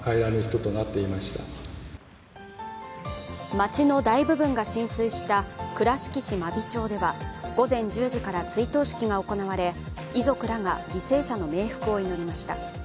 町の大部分が浸水した倉敷市真備町では午前１０時から追悼式が行われ、遺族らが犠牲者の冥福を祈りました。